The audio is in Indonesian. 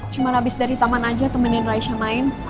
cuma abis dari taman aja temenin raisya main